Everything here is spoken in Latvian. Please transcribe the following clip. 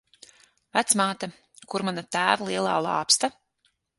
Vecāmāte, kur mana tēva lielā lāpsta?